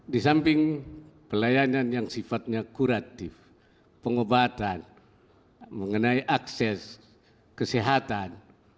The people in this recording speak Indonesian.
di samping pelayanan yang sifatnya kuratif pengobatan mengenai akses kesehatan